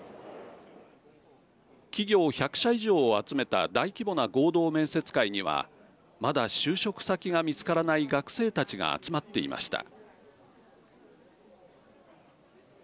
企業１００社以上を集めた大規模な合同面接会にはまだ就職先が見つからない学生たちが集まっていました。